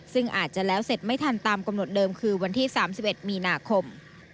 ซึ่งอาจจะแล้วเสร็จไม่ทันตามกำหนดเดิมคือวันที่๓๑มีนาคม